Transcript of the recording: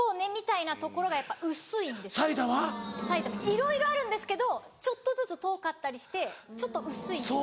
いろいろあるんですけどちょっとずつ遠かったりしてちょっと薄いんです。